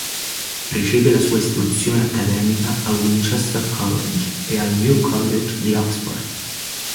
Riceve la sua istruzione accademica al Winchester College e al New College di Oxford.